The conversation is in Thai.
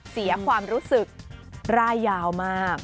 เสียความรู้สึกร่ายยาวมาก